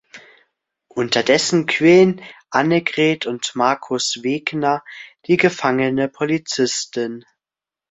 Unterdessen quälen Annegret und Markus Wegner die gefangene Polizistin.